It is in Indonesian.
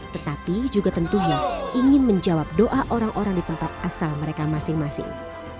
tetapi juga tentunya ingin menjawab doa orang orang di tempat asal mereka masing masing